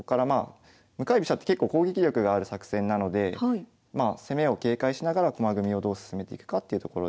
向かい飛車って結構攻撃力がある作戦なので攻めを警戒しながら駒組みをどう進めていくかっていうところですね。